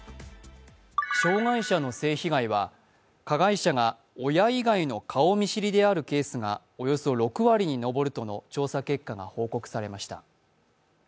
障害者の性被害は加害者が親以外の顔見知りであるケースがおよそ６割に上るとの調査結果が報告されました。